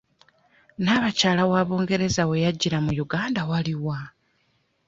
Naabakyala wa Bungereza we yajjira mu Uganda wali wa?